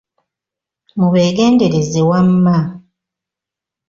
Mubeegendereze wamma.